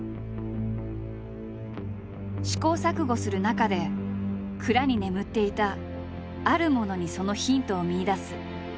試行錯誤する中で蔵に眠っていたあるものにそのヒントを見いだす。